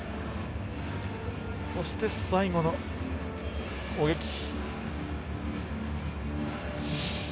そして、最後の攻撃。